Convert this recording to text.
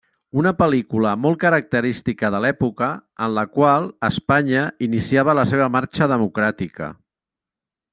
Una pel·lícula molt característica de l'època en la qual Espanya iniciava la seva marxa democràtica.